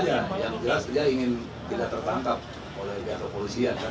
iya yang jelas dia ingin tidak tertangkap oleh pihak kepolisian